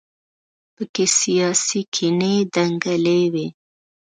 په کې سیاسي کینې دنګلې وي.